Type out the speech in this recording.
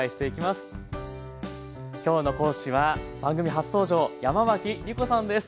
今日の講師は番組初登場山脇りこさんです。